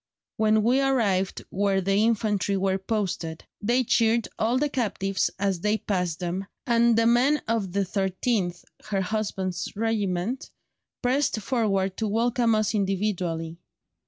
When we arrived where the infantry were posted, they cheered all the captives as they passed, them, and the men of the 13th" (her husband's regiment) "pressed forward to welcome us individually.